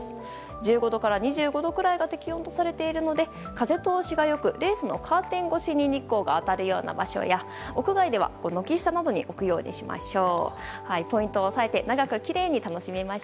１５度から２５度くらいが適温とさているので風通しが良くレースのカーテン越しに日光が当たるような場所や屋外では、軒下などに置くようにしましょう。